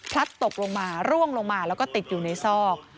ตกลงมาร่วงลงมาแล้วก็ติดอยู่ในซอก